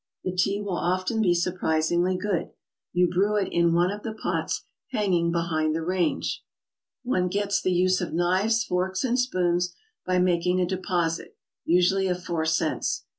The tea will often be surprisingly good. You brew it in one of the pots hanging behind the range. One gets the use of knives, forks and 83 HOW TO TRAVEL ABROAD. spoons by making a deposit, usually of four cents.